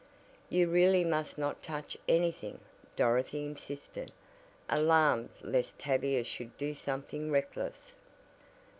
"You really must not touch anything," Dorothy insisted, alarmed lest Tavia should do something reckless.